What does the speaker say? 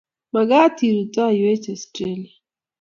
maget irutaiwech austrelia